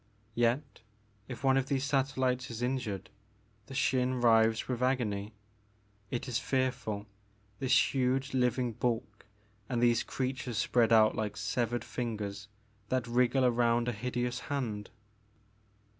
Yet if one of these satel lites is injured the Xin writhes with agony. It is fearful — ^this huge living bulk and these creatures spread out like severed fingers that wriggle around a hideous hand.''